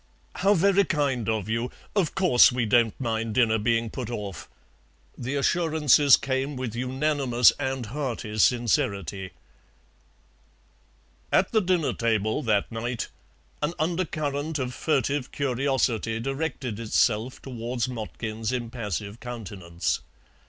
"How very kind of you! Of course we don't mind dinner being put off." The assurances came with unanimous and hearty sincerity. At the dinner table that night an undercurrent of furtive curiosity directed itself towards Motkin's impassive countenance.